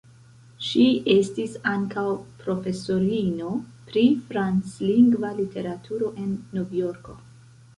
Ŝi estis ankaŭ profesorino pri franclingva literaturo en Novjorko.